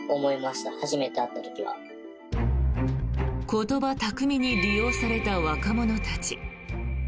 言葉巧みに利用された若者たち。